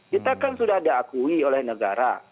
kita kan sudah diakui oleh negara